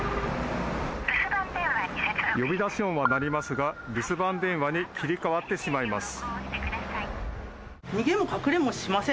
呼び出し音は鳴りますが留守番電話に切り替わってしまいます。